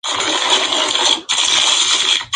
El álbum fue lanzado por Warner Bros.